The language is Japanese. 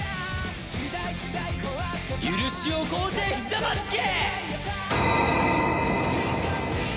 許しを乞うてひざまずけ！